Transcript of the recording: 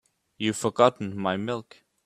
You've forgotten my milk.